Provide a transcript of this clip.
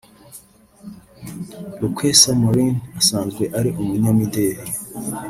Lukwesa Morin asanzwe ari umunyamideli